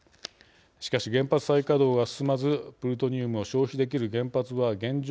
しかし、原発再稼働が進まずプルトニウムを消費できる原発は現状